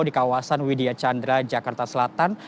di kawasan widya chandra jakarta selatan